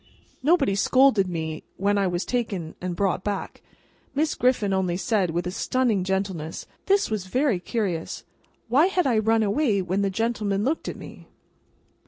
Nobody scolded me when I was taken and brought back; Miss Griffin only said, with a stunning gentleness, This was very curious! Why had I run away when the gentleman looked at me?